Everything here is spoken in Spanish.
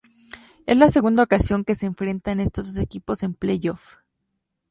Es la segunda ocasión que se enfrentan estos dos equipos en playoffs.